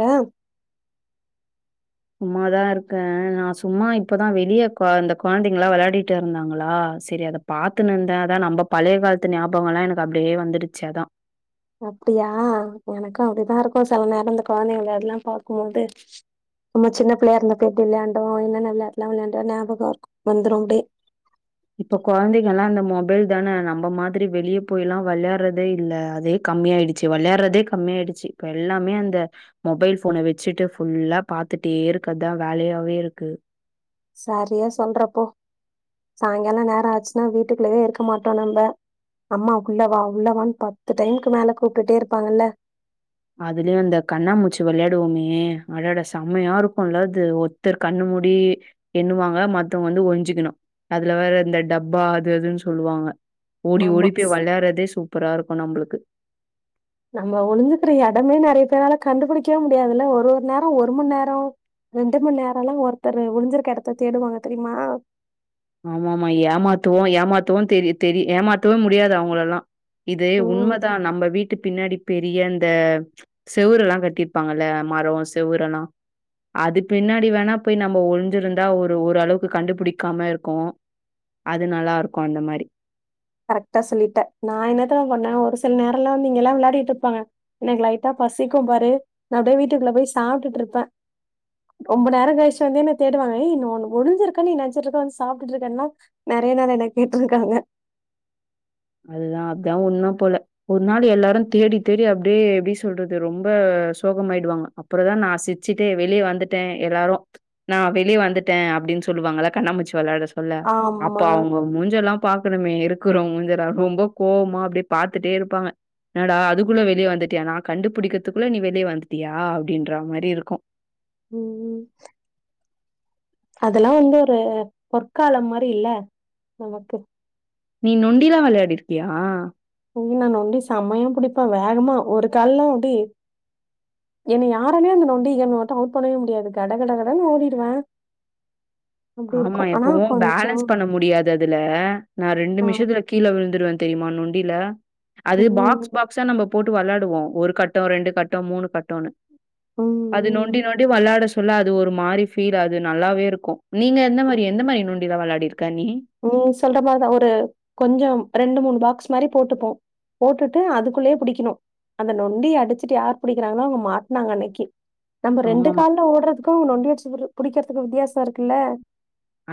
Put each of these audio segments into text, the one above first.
அ ம். சும்மாதா இருக்கே நா சும்மா இப்பதா வெளியே கொ இந்த கொழந்தைங்கள்லா வெளையாடிட் இருந்தாங்களா செரி அத பாத்துன்னுந்தே அதா நம்ப பழைய கால்த்து ஞாபகோ எல்லா எனக்கு அப்டியே வந்துடுச்சு அதா. அப்டியா எனக்கு அப்டிதா இருக்கு செல நேரோ இந்த கொழந்தைங்க வெளையாட்லா பாக்கும்மோது. நம்ம சின்ன பிள்ளையா இருந்தப்ப எப்டி விளையாண்டோ என்னென்ன விளையாட்லா விளையாண்டோ ஞாபகோருக் வந்துரு அப்டே. இப்ப கொழந்தைங்கல்லா இந்த மொபைல் தான நம்ப மாதிரி வெளிய போய் எல்லா வெளையாட்றதே இல்ல அதே கம்மியாய்டுச்சு வெளையாட்றதே கம்மியாய்டுச்சு இப்ப எல்லாமே அந்த மொபைல் ஃபோனை வெச்சுட்டு ஃபுல்லா பாத்துட்டே இருக்கத்தா வேலையாவே இருக்கு. சரியா சொல்ற போ சாய்ங்கால நேரோ ஆச்சுனா வீட்டுக்குள்ளயே இருக்க மாட்டோ நம்ப. அம்மா உள்ளவா உள்ளவான் பத்து டைம்க்கு மேல கூப்டுட்டே இருப்பாங்கல்ல. அதுலியு அந்த கண்ணாாமூச்சு வெளையாடுவோமே அடடா செமையாருக்கு இல்ல அது ஒர்த்தர் கண்ணு மூடி. எண்ணுவாங்க மத்தவங்க வந்து ஒளிஞ்சிக்குணு அதுல வேற இந்த டப்பா அது அதுன் சொல்லுவாங்க. ஓடி ஆமா ஓடி போய் ஸ்- வெளையாட்றதே சூப்பராருக்கு நம்புளுக்கு. நம்ம ஒளிஞ்சுக்கிற எடமே நெறைய பேரால கண்டுபிடிக்கவே முடியாதுல்ல ஒரு ஒரு நேரோ ஒரு மண் நேரோ. ரெண்டு மண் நேரோ எல்லா ஒருத்தரு ஒளிஞ்சிருக்க எடத்த தேடுவாங்க தெரிமா? ஆமா ஆமா ஏமாத்துவோ ஏமாத்துவோன் தெரி தெரி ஏமாத்தவே முடியாது அவுங்களல்லா. இது ம் உண்மதா நம்ப வீ ட்டு பின்னாடி பெரிய அந்த செவுரு எல்லா கட்டிர்ப்பாங்கள்ல மரோ செவுரல்லா அது பின்னாடி வேணா போய் நம்ப ஒளிஞ்சிருந்தா ஒரு ஒரு அளவுக்கு கண்டுபுடிக்காம இரு க்கு அது நல்லா இருக்கு அந்த மாரி. கரெக்டா சொல்லிட்ட. நா என்ன தெரிமா பண்ணே ஒரு சில் நேரல்லா வந்து இங்கெல்லா விளாடிட்ருப்பாங்க. எனக் லைட்டா பசிக்கும் பாரு நா அப்டே வீட்டுக்குள்ள போய் சாப்டுட்ருப்பே. ரொம்ப நேரோ கழிச்சு வந்து என்ன தேடுவாங்க ஏய் நீ ஒன்னு ஒளிஞ்சிருக்கன் நி நெனச்சிட்ருக்க வந்து சாப்டுட்ருக்கன்லா நறைய நாள் என்ன கேட்ருக்காங்க. அதுதா அதா உண்ம போல. ஒரு நாள் எல்லாரு தேடி தேடி அப்டியே எப்டி சொல்றது ரொம்ப சோகமாயிடுவாங்க. அப்பறதா நா சிச்சுட்டே வெளிய வந்துட்டே எல்லாரு நா வெளியே வந்துட்டே அப்டின் சொல்லுவாங்கள கண்ணாமுச்சி வெளாடஸ் ல்ல அப்ப ஆமா. அவுங்க மூஞ்ச எல்லாம் பாக்கணுமே இருக்குறோ மூஞ்சல்லா ரொம்ப கோவமா அப்டே பாத்துட்டே இருப்பாங்க. என்னடா அதுக்குள்ள வெளிய வந்துட்டியா நா கண்டுபுடிக்கத்துக்குள்ள நீ வெளிய வந்துட்டியா அப்டின்றா மாரி இருக்கு. ம் ம். அதெல்லா வந்து ஒரு பொற்காலம் மாரி இல்ல நமக்கு. நீ நொண்டி எல்லா வெளையாடிர்க்கியா? ம் நா நொண்டி செம்மையா புடிப்பே வேகமா ஒரு கால்ல அப்டி என்ன யாராலியு அந்த நொண்டி கேம்ல மட்டு அவுட் பண்ணவே முடியாது கட கட கடனு ஓடிடுவே. ஆமா எப்பவு கொஞ்சம் பேலன்ஸ் பண்ண முடியாது அதுல நா ரெண்டு ஆ. மிஷத்துல கீழ விழுந்துடுவே தெரியுமா நொண்டில அது பாக்ஸ் ம். பா க்ஸா நம்ம போட்டு வெளாடுவோ ஒரு கட்டோ ரெண்டு கட்டோ மூணு கட்டோனு அது ம். நொண்டி நொண்டி வெளாட சொல்ல அது ஒரு மாரி ஃபீல் அது நல்லாவே ருக்கு நீங்க எந்த ம். மாரி எந்த மாரி நொண்டி எல்லா வெளாடி ருக்க நீ நீ சொல்ற மாரிதா ஒரு கொஞ்சம் ரெண்டு மூணு பாக்ஸ் மாரி போட்டுப்போ போட்டுட்டு அதுக்குள்ளேயே புடிக்கணு அந்த நொண்டி அடிச்சிட்டு யார் பிடிக்கிறாங்களோ அவுங்க மாட்னாங்க அன்னைக்கி அந்த ரெண்டு ஆமாமா. கால ஓடுறதுக்கு நொண்டி வச்சு விர் புடிக்கிறதுக்கு வித்தியாசோ இருக்குல்ல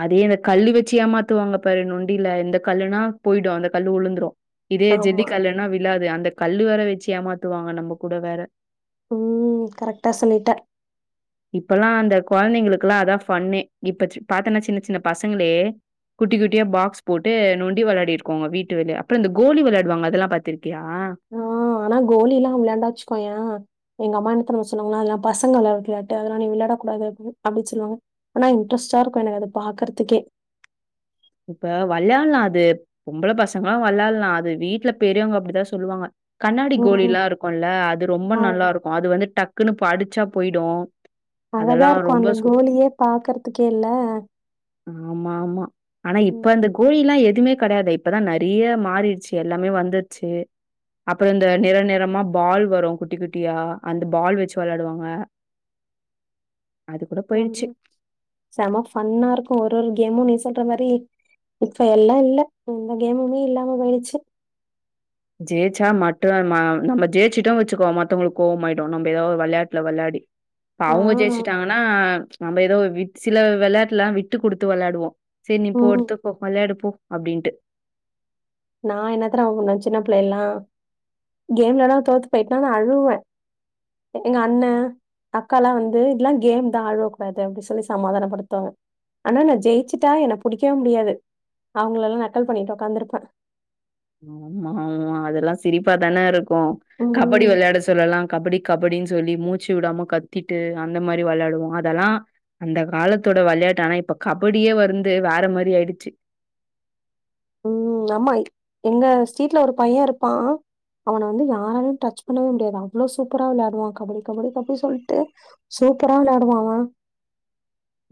அதே இந்த கல்லு வச்சியா எமாத்துவாங்க பாரு நொண்டில எந்த கல்லுனா போய்டு அந்த கல்லு உழுந்துரு இதே ஆமா. ஜல்லிக்கல்லுன்னா விழாது அந்த கல்லு வேற வச்சு ஏமாத்துவாங்க நம்ம கூட வேற ம் கரெக்டா சொல்லிட்ட இப்பெல்லா அந்த கொழந்தைங்களுக்கல்லா அதா ஃபன்னே இப்ப ச்சு பாத்தேனா சின்ன சின்ன பசங்களே குட்டி குட்டியா பாக்ஸ் போட்டு நொண்டி வெளாடிருக்கோ ஒங்க வீட்டு வெளிய அப்பறோ இந்த கோலி வெளாடுவாங்க அதெல்லா பாத்திருக்கியா ஆஹ் ஆனா கோலிலா வெளாண்டா வச்சுக்கோயே எங்க அம்மா என்ன தெரிமா சொன்னாங்க அதெல்லா பசங்க வெளையாடுற வெளாட்டு அதெல்லா நீ வெளாட கூடாது அப்டி அடிச்சிருவாங்க ஆனா இன்ட்ரஸ்டா இருக்கு எனக்கு அத பாக்கறதுக்கே இப்ப வெளையாடலா அது பொம்பள பசங்களு வெளையாடலா அது வீட்ல பெரியவுங்க அப்டிதா சொல்லுவாங்க கண்ணாடி கோலி ம். எல்லா இருக்குல்ல அது ரொம்ப அழ நல்லா இருக்கு அது வந்து டக்குன்னு பா டிச்சா போயிடு அழகா இருக்கு அந்த கோலியே பாக்குறதுக்கேல ஆமா ஆமா ஆனா இப்ப ம். அந்த கோ கோலி எல்லாம் எதுமே கெடையாது இப்பதா நெறைய மாறிடுச்சு எல்லாமே வந்துருச்சு அப்பற இந்த நிற நிறமா பால் வரு குட்டி குட்டியா அந்த பால் வச்சு வெளயாடுவாங்க வந்து போயிடுச்சு. செம ஃபன்னா ருக்கு ஒரு ஒரு கேமும் நீ சொல்ற மாரி இப்ப எல்லா இல்ல எந்த கேமுமே இல்லாம போயிடுச்சு ஜெயிச்சா மட்டு மா நம்ம ஜெயிச்சிட்டோனு வச்சுக்கோ மத்தவங்களுக்கு கோவமாயிடு நம்ம ஏதாவது ஒரு வெளையாட்டுல வெளாடி இப்ப ஆ. அவுங்க ஜெயிச்சுட்டாங்கன்னா நம்ம ஏதோ வி சில வெளயாட்டுல விட்டு குடுத்து வெளாடுவோ செரி நீ போ ம். எடுத்து போ வெளையாடு போ அப்டின்னுட்டு நா என்னா தெர்மா பன்னுவே சின்ன பிள்ளைலலா கேம்லலா தோத்து போயிடனா நா அழுவே எங்க அண்ணே அக்காலா வந்து இதெல்லா கேம் தா அழவக்கூடாது அப்டி சொல்லி சமாதானப்படுத்துவாங்க ஆனா நா ஜெயிச்சுட்டா என புடிக்கவே முடியாது அவுங்கள ல்லா நக்கல் பண்ணிட்டு ஒக்காந்துருப்பே ஆமா ஆமா அதெல்லா சிரிப்பா தான ருக்கு கபடி ம். வெளையாட சொல்லலா கபடி கபடின்னு சொல்லி மூச்சு விடாம கத்திட்டு அந்த மாரி வெளையாடுவோ அதெல்லா அந்த காலத்தோட வெளையாட்டு ஆனா இப்ப கபடியே வந்து வேற மாரி ஆயிடுச்சு ம் அம்மாய் எங்க ஸ்ட்ரீட்ல ஒரு பையே இருப்பா அவன வந்து யாராலையு டச் பண்ணவே முடியாது அவ்ளோ சூப்பரா வெளையாடுவா கபடி கபடி கபடி சொல்ட்டு சூப்பரா வெளாடுவா அவ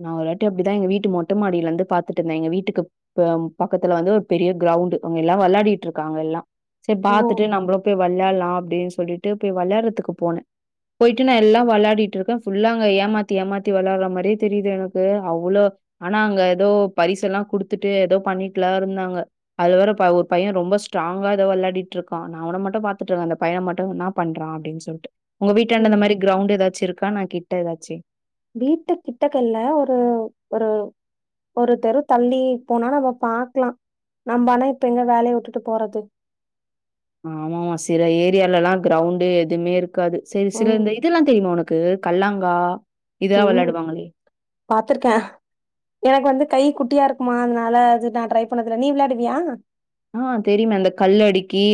நா ஒருவாட்டி அப்டிதா எங்க வீட்டு மொட்ட மாடில இருந்து பாத்துட்டு இருந்தே எங்க வீட்டுக்கு பெம் பக்கத்துல வந்து ஒரு பெரிய கிரௌண்ட்டு அவுங்க எல்லா வெளாடிட்டு இருக்காங்க எல்லா செரி ஓ பாத்துட்டு நம்பளு போய் வெளையாடலா அப்டின்னு சொல்லிட்டு போய் வெளையாடுறதுக்கு போனே போயிட்டு நா எல்லா வெளாடிட்டு இருக்கே ஃபுல்லா அங்க ஏமாத்தி ஏமாத்தி வெளாடுற மாரி தெரியுது எனக்கு அவ்ளோ ஆனா அங்க எதோ பரிசெல்லா குடுத்துட்டு ஏதோ பண்ணட்டுலா இருந்தாங்க அதுல வேற ப ஒரு பையன் ரொம்ப ஸ்ட்ராங்கா எதோ வெள்ளாடிட்ருக்கா நா அவன மட்டு பாத்துட்ருக்கே அந்த பையன மட்டு இன்னா பண்றா அப்டின் சொல்ட்டு உங்க வீட்டாண்ட ம். இத மாரி கிரௌண்டு எதாச்சு இருக்கா ன கிட்ட எதாச்சு வீட்டு கிட்டக இல்ல ஒரு ஒரு ஒரு தெரு தள்ளி போனா நம்ப பாக்லா நம்ப ஆனா இப்ப எங்க வேலைய விட்டுட்டு போறது ஆமாமா சில ஏரியாலலா கிரௌண்டே எதுமே இருக்காது சேரி சேரி ம், அந்த இதெல்லா தெரிமா உனக் கு கல்லாங்கா இதெல்லா ம் வெளாடுவாங்களே. பாத்துருக்கே எனக்கு வந்து கை குட்டியா இருக்குமா அதனால அது நா ட்ரை பண்ணதுல நீ விளயாடுவியா ஆ தெரியுமே அந்த கல்லடிக்கி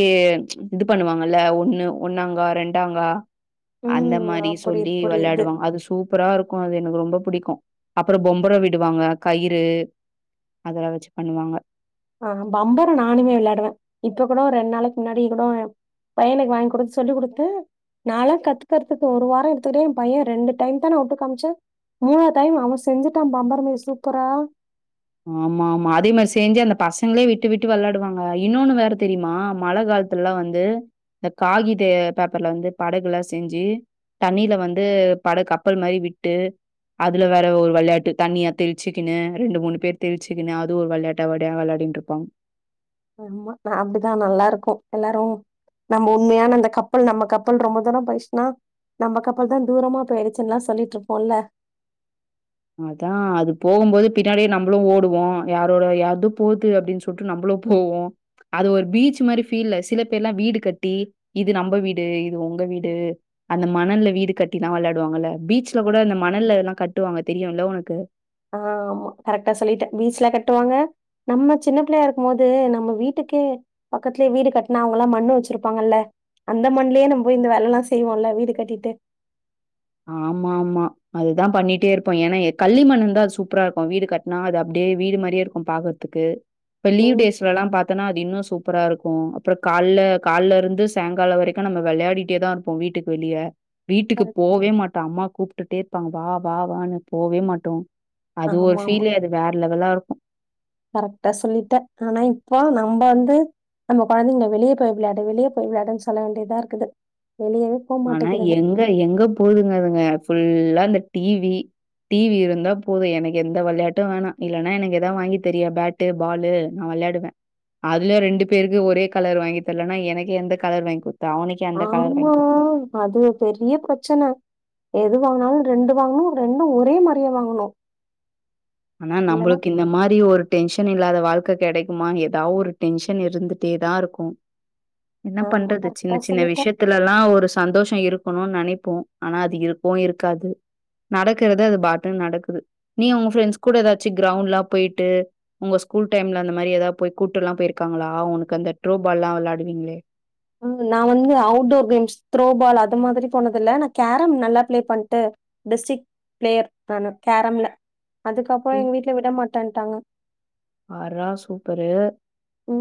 இது பண்ணுவாங்கல்ல ஒன்னு ஒன்னாங்கா ரெண்டாங்கா அந்த ம். அ மாரி சொல்லி புரியுது, புரியுது. வெளையாடுவாங்க அது சூப் ப்ரா இருக்கு அது எனக்கு ரொம்ப புடிக்கு அப்றோ பொம்பரோ விடுவாங்க கயிறு அதலா வச்சு பண்ணுவாங்க ஆ பம்பரோ நானுமே வெளையாடுவே இப்ப கூட ஒர் ரெண்டு நாளைக்கு முன்னாடி கூட பையனுக்கு வாங்கி குடுன் சொல்லிக் குடுத்து நாலா கத்துக்கறத்துக்கு ஒரு வாரோ எடுத்துட்ட ஏன் பையே ரெண்டு டைம் தா நா விட்டு காமிச்சே மூணா டைம் அவே செஞ்சுட்டா பம்பரமே சூப்பரா ஆமா ஆமா அதே மேரி செஞ்சு அந்த பசங்களே விட்டு விட்டு வெள்ளாடுவாங்க இன்னொன்னு வேற தெரிமா மழ காலத் துலலா வந்து இந்த காகித பேப்பர்ல வந்து படகுலா செஞ்சு தண்ணில வந்து பட கப்பல் மாரி விட்டு அதுல வேற ஒரு வெளயாட்டு தண்ணிய தெளிச்சுக்கின்னு ரெண்டு மூணு பேர் தெளிச்சுக்குன்னு அது ஒரு வெளயாட்டா வெடயா வெளயாடிட்ருப்பாங் ஆமா நா அப்டிதா நல்லாருக்கு எல்லாரு நம்ம உண்மையான அந்த கப்பல் நம்ம கப்பல் ரொம்ப தூரோ போய்ர்ச்சினா நம்ம கப்பல் தான் தூரமா போயிருச்சின்லா சொல்லிட்டு இருப்போல்ல அதா அது போகும்போது பின்னாடியே நம்புளு ஓடுவோ யாரோட யார்தோ போது அப்டின் சொல் ட்டு நம்புளு போவோ அது ஒரு பீச் மாரி ஃபீல் சில பேர்லா வீடு கட்டி இது நம்ப வீடு இது உங்க வீடு அந்த மணல்ல வீடு கட்டிலா வெளயாடுவாங்கல்ல பீச் ஆ, கூட அந்த மணல்ல அதெலா கட்டுவாங்க தெரியுல உனக்கு ஆ ஆமா கரெக்டா சொல்லிட்டே பீச்ல கட்டுவாங்க நம்ம சின்ன பிள்ளையா இருக்கும்போது நம்ம வீட்டுக்கே பக்கத்துலே வீடு கட்னா அவங்கலா மண்ணு வச்சிருப்பாங்கல்ல அந்த மண்லே நம்ம போய் இந்த வேலலா செய்வோல வீடு கட்டிட்டு ஆமா ஆமா அதுதா பண்ணிட்டே இருப்போ ஏனா கல்லி மண்ணுந்தா அது சூப்பராருக்கு வீடு க னா அது அப்டே வீடு மாரியே இருக்கு பாக்கற்துக்கு இப்ப லீவ் ம் டேஸ்லலா பாத்தனா அது இன்னு சூப்பராருக்கு அப்றோ கால்ல கால்லருந்து சாங்காலோ வரைக்கு நம்ம வெள்ளாடிட்டே தா இருப்போ வீட்டுக்கு வெளிய வீட்டுக்கு போவே மாட்டோ அம்மா கூப்ட்டுட்டே இருப்பாங்க வா வா வானு போவே மாட்டோ அது ஒரு ஆமா ஃபீல் அது வேற லெவலாருக்கு கரெக்ட்டா சொல்லிட்ட ஆனா இப்ப நம்ப வந்து நம்ம கொழந்தைங்கள வெளிய போய் விளையாடு வெளிய போய் விளையாடுன்னு சொல்ல வேண்டிதா இருக்குது வெளிய ஆனா எங்க எங்க போதுங்க அதுங்க ஃபுல்லா இந்த டீவி டீ வி இருந்தா போது எனக்கு எந்த வெளயாட்டு வேணா இல்லன்னா எனக்கு எதாது வாங்கி தரியா பேட் ட்டு பாலு நா வெளயாடுவே அதுலியு ரெண்டு பேருக்கு ஒரே கலர் வாங்கி தரலன்னா எனக்கு எந்த கலர் வாங்கி குடுத்த அவனுக்கு அந்த கலர் ஆமா வாங்கி குடுத்த. அது ஒரு பெரிய பிரச்சன எது வாங்குனாலு ரெண்டு வாங்கனும் ரெண்டு ஒரே மாரி தா வாங்கணு ஆனா இல்லன்னா நம்பளுக்கு இந்த மாரி ஒரு டென்ஷன் இல்லாத வாழ்க்க கெடைக்குமா ஏதா ஒரு டென்ஷன் இருந்துட்டே தா இருக்கு என்ன ஆமா பண்றது சின்ன கரெக்டா சின்ன சொல்லிட்ட விஷயத் துலல்லா ஒரு சந்தோஷோ இருக்கணுன் நினைப்போ ஆனா அது இருக்கவு இருக்காது நடக்கறத அது பாட்டுன்னு நடக்குது நீ உங்க ஃப்ரெண்ட்ஸ் கூட ஏதாச்சி கிரவுண்ட் லா போய்ட்டு உங்க ஸ்கூல் டைம்ல அந்த மாரி ஏதாவ போய் கூட்டுல்லா போய்ருக்காங்களா உனக்கு அந்த த்ரோ பால் லா விளாடுவீங்ளே ஆ நா வந்து அவுட்டோர் கேம்ஸ் த்ரோ பால் அது மாதிரி போனது இல்ல நா கேரம் நல்லா ப்ளே பண்ட்டு டிஸ்ட்ரிக் பிளேயர் நானு கேரம்ல அதுக்கப்புறோ எங்க வீட்ல விட மாட்டன்ட்டாங்க பார்ரா சூப்பரு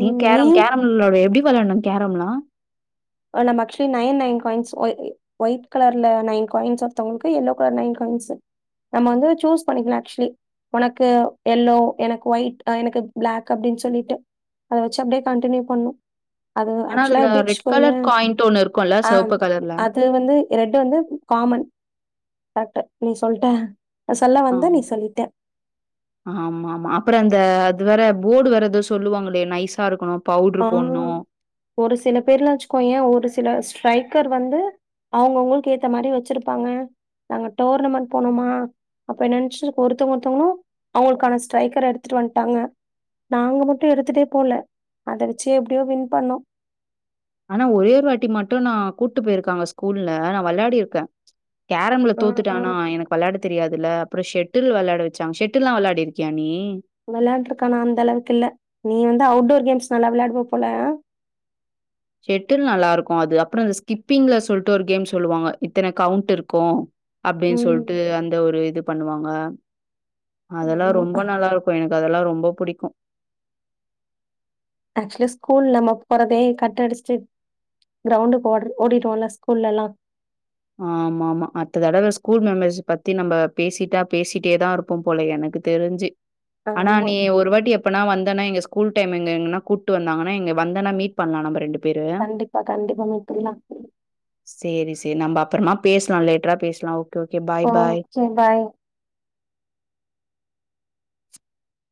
நீ கேரம் கேரம்ள வ எப்டி வெளாட்னு கேரம் லா நம்ம actually nine nine coins white கலர்ல நைன் காய்ன்ஸ் ஒருத்தங்களுக்கு எல்லோ கலர் நைன் காய்ன்ஸ் நம்ம வந்து சூஸ் பண்ணிக்கலா ஆக்சுலி உனக்கு எல்லோ எனக்கு ஒயிட் எனக்கு ப்ளக் அப்டின்னு சொல்லிட்டு அத வச்சி அப்டியே கண்டின்யூ பண்ணு அது ஆனா ஆக்சுவலா அதுல எப்டியேச் ரெட் கலர் காயாண்ட் ஒண்ணு இருக்குல்ல சவப்பு கலர்ல அது வந்து ரெட்டு வந்து காமன் கரெக்ட் நீ சொல்ட்ட நா சொல்ல வந்த ஆ நீ சொல்லிட்ட ஆமாமா அப்புறோ அந்த அது வேற போர்டு வேற எதோ சொல்லுவாங்களே நைஸா இருக்கணு அம் ஒரு சில பேர்லா வச்சுக்கோய ஒரு சில ஸ்ட்ரைக்கர் வந்து அவங்கவங்களுக்கு ஏத்த மாரி வச்சிருப்பாங்க நாங்க டோர்னமெண்ட் போனோமா அப்ப என்ன நன்ச்சு ஒருத்தவங்க ஒருத்தவங்களு அவங்களுக்கான ஸ்ட்ரைக்கர எடுத்துட்டு வண்ட்டாங்க நாங்க மட்டு எடுத்துட்டே போல அத வெச்சு எப்டியோ வின் பண்ணோ ஆனா ஒரே ஒரு வாட்டி மட்டு நா கூட்டு போய்ருக்காங்க ஸ்கூல்ல நா விளையாடிருக்க கரம்ல ஆ, தோத்துட்ட ஆ. ஆனா எனக்கு விளையாடத் தெரியாதுல்ல அப்புறோ ஷெட்டில் வெளயாட வெச்சாங்க ஷெட்டில்லா விளாடிருக்கியா நீ வெளாண்ருக்க ஆனா அந்த அளவுக்கு இல்ல நீ வந்து அவ்ட்டோர் கேம்ஸ் நல்லா விளையாடுவ போல ஷெட்டில் நல்லா இருக்கு அது அப்புறோ இந்த ஸ்கிப்பிங்ல சொல்ட்டு ஒரு கேம் சொல்லுவாங்க இத்தன கவுண்ட் இருக்கு அப்படின் ம். சொல்ட்டு அந்த ஒரு இது பண்ணுவாங்க அதெல்லா ஆமா ரொம்ப நல்லா இருக் கு எனக்கு அதெல்லா ரொம்ப புடிக்கு அக்சுவலா ஸ்கூல்ல நம்ம போறதே கட்டடிச்சிட்டு கிரௌண்டுக்கு ஓடு ஓடிட்டுவோல்ல ஸ்கூல்லல்லா ஆமாமா அடுத்த தடவ ஸ்கூல் மெம்மரிஸ் பத்தி நம்ம பேசிட்டா பேசிட்டே தா இருப் போ போல எனக்கு தெரிஞ்சி ஆனா ஆமா நீ ஒரு வாட்டி எப் பனா வந்தனா எங்க ஸ்கூல் டைம் எங்க எங்கனா கூட்டு வந்தாங்கன்னா இங்க வந்தனா மீட் பன்லா நம்ம ரெண்டு கண்டிப்பா கண்டிப்பா மீட் பன்லா சேரி சேரி நம்ம அப்றமா பேசலா லேட்டரா பேசலா ஓ ஆ ஓகே பாய்